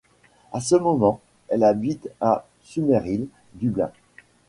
À ce moment, elle habite à Summerhill, Dublin.